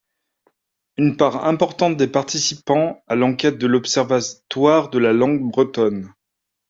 Une part importante des participants à l’enquête de l’Observatoire de la Langue Bretonne.